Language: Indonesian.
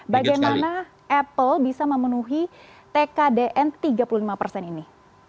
bagaimana apple bisa memenuhi tkdn tiga puluh lima persen ini